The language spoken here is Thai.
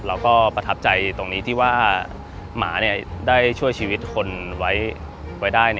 ประทับใจตรงนี้ที่ว่าหมาได้ช่วยชีวิตคนไว้ได้